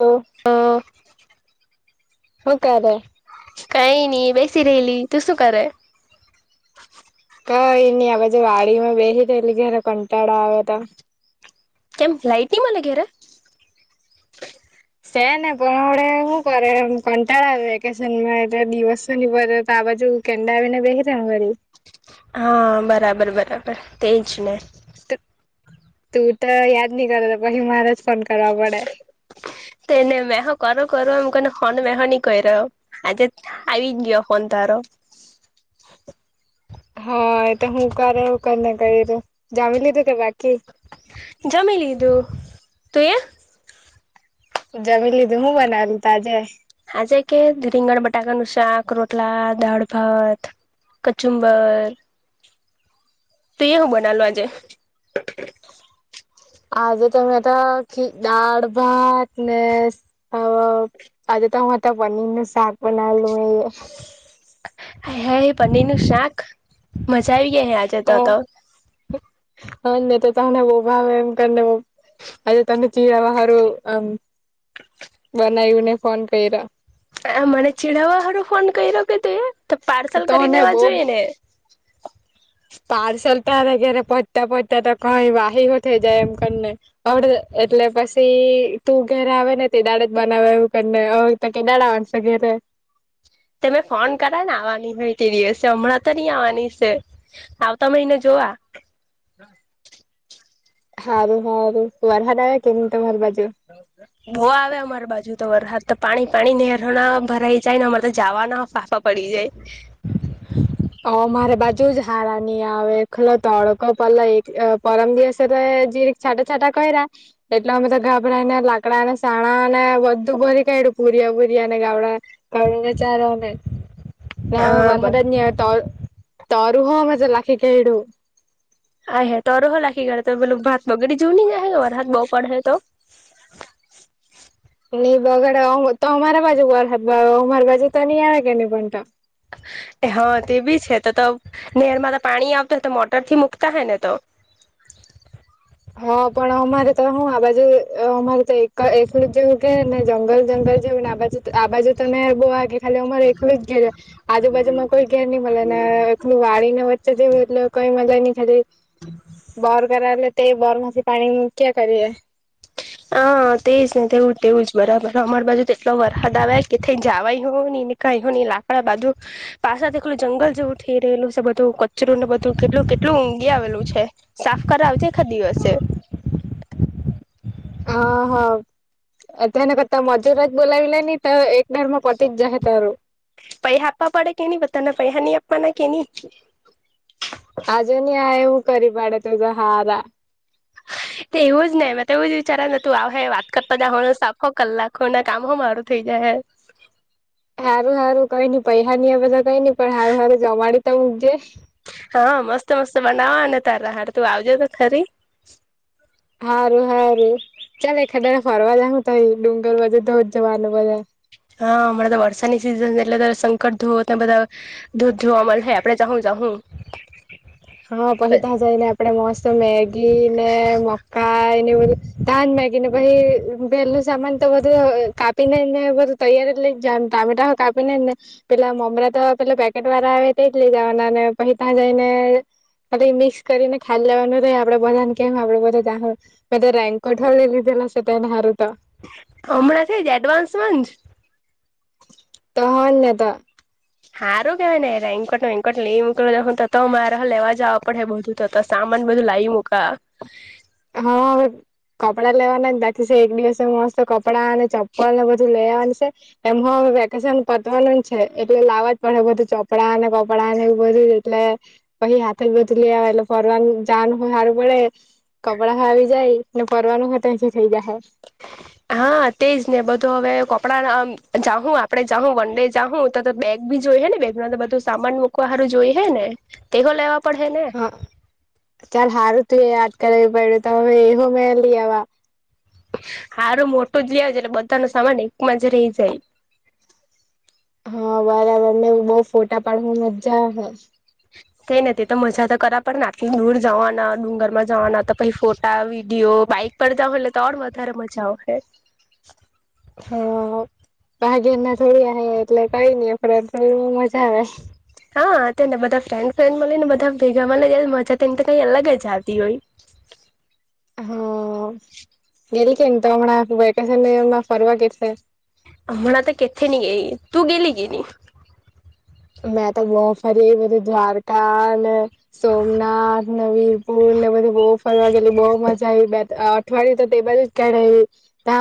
શું અ કરે કઈ નહી બેસી રહેેલી તું શું કરે કઈ નહી આજ વાડીમાં બેસી તો એલી ઘરે કંટાળો આવ ત કેમ લાઇટિમાં લ ઘેરા સે ને પણડે શું કરે એ કંટાળા વેકેશન માં એટલે દિવસોની પે આ બાજ કેન્ડા આવીને બેણ ગરી હા બરાબર બરાબર તે જ ને તું તો દ નહી કર પછ મહારાજ ફન કર તેને મે હા કરો કરો એમ ને ફન મેહન કહી રહ્યો આજે આવી ગયો ફન તારો હા એ તો હું કરું કરને કરી જામી લીધું કે બાકી જમી લીધું તું એ પૂજા મી લ હતીું હું બનાલ તાજા હા જે કે રીંગણ બટાકાનુંું શાક રોટલા દાળ ભાત કચુંબર તો એ હું બનાલો આજે આજે તમે ખી દાળ ભાત નસ અજ તો માત પનીર ન સાક બનાાલું મે આજે હે પનીર નું શાક મજા આવી ગયા હે આજે તો તો હ તો તને બહુ ભાવે એમ કરીને બ અે તમે ચીરાવ હારું હમ બનાવ્યુંને ફોન કર્યા આ મને ચીડાવવા હળો ફોન કરી્યો કે તું તો પાર્સલ કરી તને દેવા બહુ જોઈએ ને પાર્સલ તારગેરે પતતા પતા તો કઈ વાહીઓ થઈ જાય એમ કરીને એટલે પછી તું ઘરે આવે ને તે દાડે જ બનાવે એવું કરીને કે દાડા વાણશે ઘેરે હ તમે ફોન કરાવ ને આવવાની હોય તે દિવસે હમણાં તો નહી આવવાની છે આવતા મહિને જો કવા સારું સારું વાર હાર આવ કેમ તમારી બાજુ બો આવે અમારી બાજુ તો વરસાદ તો પાણી પાણી નહેરો ના ભરાઈ જાય ને અમારે તો જવાના ફાફા પડી જાય અ મારે બાજુ જ હારાની આવે ખલો તડકો પલો એક પરમ દિવસ છાટા છાટા ક્યા એટલે અમેધ ગાભરા ને લાકડાને સાણા ને બધું બરી ક પુરયા પુરીયાને ગડા ગડ ચારને હા બર વદ તરું હ લખી કેડું હા હ તોરોહો લખી ગયાે તો પેલું ભાત વગેરે જો નની જાયર હાથ બહઉ પડે તો બગડ તો અમારા બાજુ બ અમારી બાજુ તો નહી આવે કે નહી પણ હા તે બી છે તો તો નેર માં તો પાણી આવત હોય તો મોટર થી મુકતા હોય ને તો હા પણ અમારે તો હું આ બાજુ અમારે તો એક એલું જ જેવું કે ને જંગલ જંગલ ને આ બાજુ તમેને બો ખાલી અમારે એકલું જ ઘેર આજુબજુમાં કોઈ ઘેર નહી મળે ને એકલું વાડી ને વચ્ચે જેવું એટલે મજા ખાલી બોર કરાવે તે બોર માંથી પાણી મૂ ક્યા કરીએ હ તે જ ને તેવું તેવું જ બરાબર રમણ બાજુ તો એટલો વરસાદ આવે કે થઈ જવાય હોવ ન નીકળ હો ન લાકડા બાજુ પાસાથી જંગલ જેવું થઈ રહેલું છે બધું કચરું ને બધું કેટલું કેટલું ઊંઘી આવેલું છે સાફ કરજે શખાદીિવ છે અહો એ તને કતા મજરાજ બોલાવલાની તો એક દારમાં પતી જ જશે તારું પૈસા આપવા પડે કે ન બધાના પૈસા નહી આપવાના કેની [unintelligible] આજે નહી આ એવું કરી પાડે તો તો હારા એવું જ ને મે તો એવું જ વિચારેને તું આવ હે વાત કરતા જવાનું સાફ હો કલાકો ને કામ હો મારું થઈ જાય હે સારું સારું કઈ નઈ પૈસા નની હવેધા કઈ નઈ પણ સારું સારું જવાડી ત મકજે હા મસ્ત મસ્ત બનાવા અને તારા હાર તું આવજે ખરી હા રું હા રું ચાલલે ખડા ફરવા જ હ તો ડુંગર બાજુ તો જ જવાનું બધા હા હમણાં તો વરસાાની સિઝન એટલે સંકટ ધોવ બધા દૂધ ધવા અમા આપડે જ હહું હા પહીતા જાયને આપડે મસ્ તો મેગી ને મકાઈને બધું તજ મેગી ને પછી પહેલું સામાન તો બધું કાપીને ને બધું તૈયારી લ ટામેટા કાપીને ને પેલા મમરા તો પટ પેકેટ વાળા આવે તે જ લઈ જવાના પછી ત્યાં જઈને મિક્સ કરીને ખાલી લેવાનું ર આપડે બધા ને કેમ આપડે બધાધા રેન્કોટ હો એલા સતા એને હારતા હમણાં થઈ જ એડવાન્સમાં જ તો હનેતા- હારું કેવાય ને રેંકટ વેંકટને એ મોકલો હ તો મારે લેવા જવા પડે બધું તો સામાન બધું લાવ મુકા હા કપડાં લેવાના જ બાકી છે એક દિવસે મસ્ત કપડાં અને ચપ્પલને બધું લેવાની છે એમાં વેકેશન પતવાનું છે એટલે લાવવા જ પડે એ બધું ચોપડા ને કપડા ને એવું બધું એટલે. કહી હાથે ગત લ એલે ફરવાન જાાન હો હારું પડે કપડાં આવી જાય ને ફરવાનું ખત થઇ જાય હ. હા તેજ ને બધું હવે કપડા જાઉં આપડે જાઉં વન ડે જાઉં તો બેગ બી જોઈ હે ને બે બધું સામાન મૂકવાારું જોઈ હે ને તેો લેવા પડે ને હા ચાલ હારું તું એ કેલાવી પડું તમેવે એ હમલી્યાવા હારું મોટું જ લજ એટલે બધા ન સામાન એકમાં જ રહી જાય હા વારાવારને બઉ ફોટા પાડવાું મજા હ થઈ નથી તો મજા તો કરા પણ આટલી દૂર જવાના ડુંગર માં જવાના તો પઈ ફોટા વિડીયો બાઈક પર જઉ એટલે તોણ વધારે મજા આવશે. [inaudible] ભાગી ના થોડી એટલે કઈ નઈ થોડી મજા આવે. હા તેને બધા ફ્રેન્ ફન્ડ લ ને બધા ભેગા મળ મજાને કઈ અલગ જ આવતી હોય. [inaudible] હ ગેલી કે ને તો હમણાં વેકેશન એમાં ફરવા કેશે. હમણાં તો કેથે નની ગઈ તું ગેલી કે ન મેં તો ગો ફરીધી દ્વારકા સોમનાથ નવીરપુર ને બધી બહુ ફરવાર ગેલી બહુ મજા આવી પઠવાળય તો ટેબલ કે ત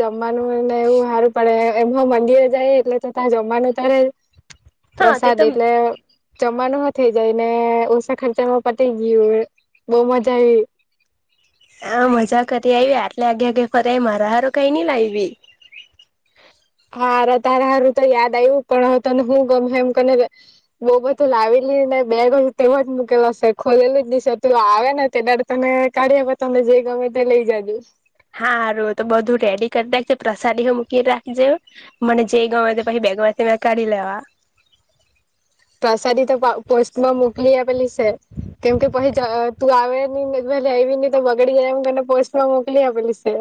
જમવાનું ને એવું સારું પડે એમ મંદિર જાય એટલે તો ત જમવાનું તારે હા તે પ્રસાદ તો એટલે જવાનું થઇ જાય ને ઓછા ખર્ચામાં પટી ગયું હોય. બહુ મજા આવી. હ મજા કરી આવી આટલે આગ આગે ફર મારા હારો કઈ નઈ લાવી. હાર તારા હારું તો યાદ આવ્યું પણ તને હું ગમે એમને બહ બધું લાવી બેગય તેવ જ મૂકેલો હશે ખોલેલું જ દશેટલું આવે ને તે દ તમે કાઢ્યા તને જે ગમે ત્યા લઈ જ દ હાારુ તો બધું રેડી કર રાખજે પ્રસાદી હો મૂકી રાખજે મને જે ગમે તે પહિ બેગમાંથી મે કાડી લેવા. પ્રસાદી તો પ પોસ્ટમાં મુકલી આપેલી સે. કેમ કે પહિ તું આવે ની [unintelligible] બગડી જાય એમ કરને પોસ્ટમાં મોકલી આપેલી સે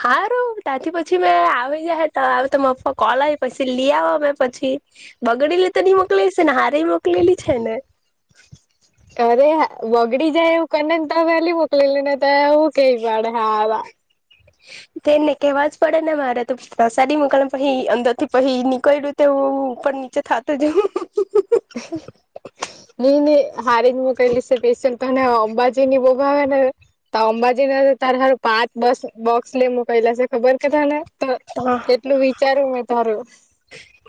હાારું તાથી પછી મે આવી જાહે તો માપા કોલ પસી લીયાવા મે પછી બગડેલી તો ની મોકલેલી સે ને હારી મોકલેલી છે ને અરે બગડી જાય એવું કરનેને તો વેલી મોકલેલી ને તે એવું કઈ પાડે હારા [inaudible] તેને કેવા જ પડે ને મારે પ્રસાદી [unintelligible] પહિ અંદર થી પહિ નીકળ્યું તો એવું એવું નીચે થાતો જવું નઈ નઈ હારી જ મોકલી છે પેશિયલ તને અંબાજી ની બો ભાવે ને તો અંબાજી ન તારું હારુ પાંચ બોક્સ લે મુકેલા છે ખબર કે તને તો જવું કેટલું વિચારું મેં તારું.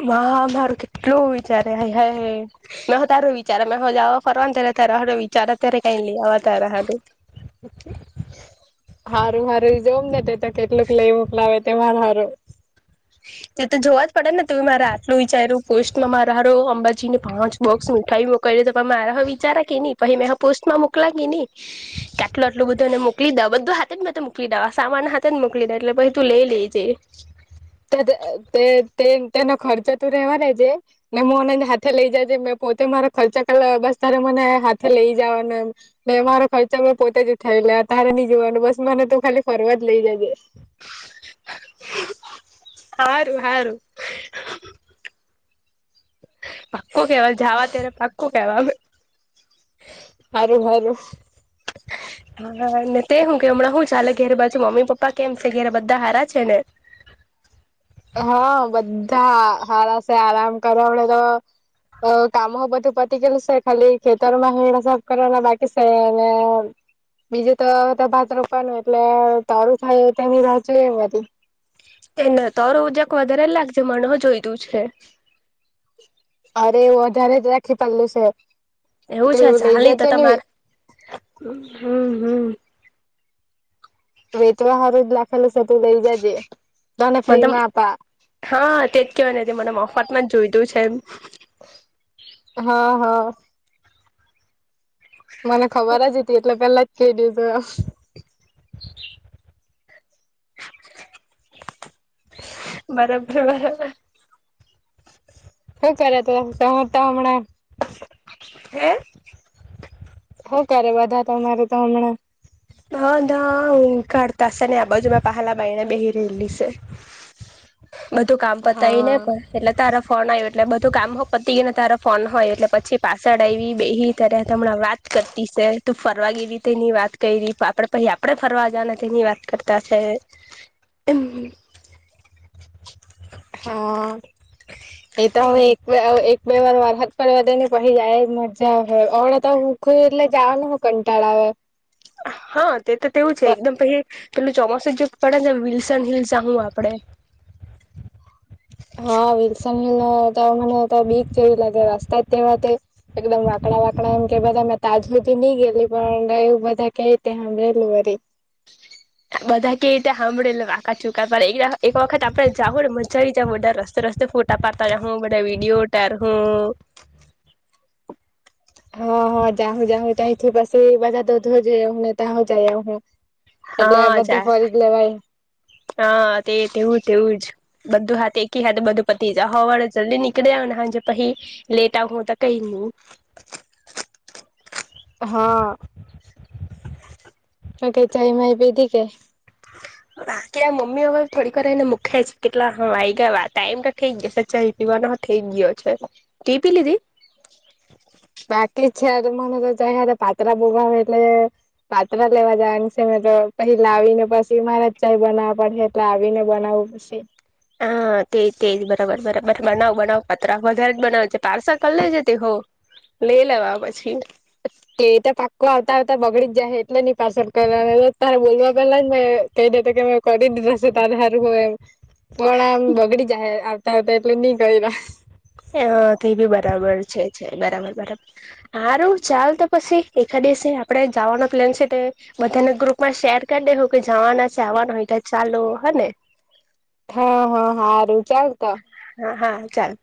મારું કેટલું વિચાર હાય હાય હ મે હો તારું વિચારા મે હો જવા ફરવા ત્યારે તારા હારું વિચારા ત્યારે કઈ લીયાવા તાર હારું. હારું હારું જોમ ને તે તો કેટલુંક લઈ મોકલાવે તે માર હારું તે તો જોવા જ પડે ને તું મારે આટલું વિચાર્યું પોસ્ટમાં મારા હારુ મીઠાઈ ની પાંચ બોક્સ મીઠાઈ મોકયલી તો પણ મારા હવે વિચારા કેને પહિ મેં હો પોસ્ટ મા મોકલા કે ની કે આટલું આટલું બધું એને મોકલી દેવા બધુ હાથે જ મોકલી દેવા સામાન હાથે ને મોકલી દે એટલે પહિ તું લઈ લેજે તે તે તેનો ખર્ચો તું રેવા લેજે ને મને હાથે લઈ જાજે મે પોતે મારો ખર્ચા કર લેવા બસ તારે મને હાથે લઈ જવાનો એમટલે મારો ખર્ચા પોતે જ ઊથાઈ લેવા મારે ની જોવાનું બસ મને તો ખાલી ફરવા જ લઈ જજે હારું હારું પાક્કું કેવા જવા ત્યારે પાક્કું કેવા હારું હારું હને તે હું કે હમણાં હું ચાલે ઘેર બાજુ મમ્મી પપ્પા કેમ છે ઘરે બધા હારા છે ને હા બધા હારાશે આરામ કરે અવળે તો અ કામ હો બધું પતી ગલું સે ખાલી ખેતરમાં હેળસાબ કરવાના બાકી છે અને બીજું તો ત્યાં ભાત રોપવાનું એટલે તરું થાય તેની રાહ જોઈ [unintelligible] એને તારો જક વધારે જ લાખજે મને હો જોઈ તું છે અરે વધારે જ રાખી પડલું છે. એવું છે ચાલ ન તો તો માર હમ હમ વેચવા હારું જ લાખેલું છે તું લઈ જજે તને મને તમ ફ્રીમાં આપા હા તેજ કેવાની હતી મને મફત માં જ જોઈતું છે એમ હા હા મને ખબર જ હતી એટલે પેલા જ કેય દીધું બરાબર બરાબર. હું કરે તો તો હમણાં હે હું કરે બધા તમારે તા હમણાં હ નાા ઊંઘ કાડતાશે ને આ બાજુમાં પાહલા બાાઈને બેહી રેયલી સે [inaudible] બધું કામ પતાયને હા પણ એટલે તારા ફોન આયવો એટલે બધું કામ હો પતી ગીય ને તારા ફોન હો આયવો એટલે પછી પાસ તડ આવી બેયહી તારે હાટે હમણાં વાત કરતી સે તું ફરવા ગેલી તેની વાત કયરી આપડે પછી આપડે ફરવા જના તેની વાત કરતા છે. [inaudible] હા એ તો હવે એક એક બે વાર વારહદ પણ વધે ને પહી જાય મજા આવે ઓડતા હુંખું એટલે જવાનું હું કંટાળા આવે હા તે તો તેવું છે એકદમ પ પેલું ચોમાસું જગ પડે ને વિલસન હિલસ હું આપ કપડે હા વિલસન મને તો બીક જેવી લાગે રસ્તા જ તેવા એકદમ વાકડા વાકડા એમ કે બધા મેં તાજુથી નહી ગેલી પણ એવું બધા કેમ રેલું વરી [inaudible] બધા કેઈ રીતે સાંભળેલ આકા ચુકા એક વખત આપડેાવું ને મજા આવી જ બર રસ્તો રસ્તે ફોટા પાતા જ હું બા વિડીયો ટર હું [unintelligible] હ હ જા હું જા હું જઈથી પાસી બાજા દઉધ જે હને ત હું જાય આવ હું એટલે હા બધે ફરી જાય જ લેવાય હા તે તેવું તેવું જ બધું હાથ એકી હાથ બધું પતિજ હોવાળે જલ્દી નીકળી આવ ને હજ પછી લેટ આવ હું તો કઈ [inaudible] [inaudible] હા તો કે ચાય માય પીધી કે [inaudible] કે આ મમ્મી બા થોડીકર એને મૂખે છે કેટલા હા આ આવી ગયા ટાઈમ તો થઈ જ ગ સાચ્ પીવા થઈ ગયો છે ટ પી લીધી [inaudible] બાકી છે મને તો જ પાતત્ર બોગ એટલે પાતત્ર લેવા જાય પેલા આવી ને પછી મારે ચાય બનાવવા પડશે એટલે આવીને બનાવવું પછી હ તે તેજ બરાબર બરાબર બનાવ બનાવ પતરા વધારે જ બનાવે છે પાર્સાલ કર લે છે તે હો લે લેવા પછી અચ કે ત પાક્કો આવતા આવતા બગડી જાય એટલે નહ પાછંદ કરવા ત બોલવા પેલા જ મેં કહી દે કે કરી દીધા છે તારું એમ પણ આમ બગડી જ આવતા હતા એટલે નઈ ક તે બી બરાબર છે છે બરાબર બરાબર સારું ચાલ તો પછી એા આપણે જવાનો પ્લેન છે બધાને ગ્રુપ માં શેર કરી દેહ કે જવાના છે આવવાનોટલે હાલો હને હા હા સારું ચાલતા હા હા ચાલ